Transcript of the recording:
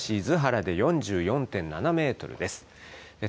対馬市厳原で４４．７メートルです。